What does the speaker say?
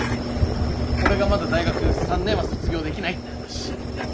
俺がまだ大学３年は卒業できないって話。